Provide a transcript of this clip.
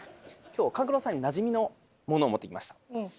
今日は勘九郎さんになじみのものを持ってきました。